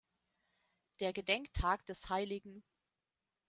Der Gedenktag des hl.